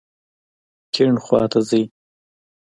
کیڼ خواته ځئ